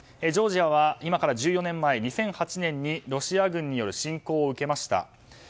ジョージアは今から１４年前２００８年にロシア軍による侵攻を受けました。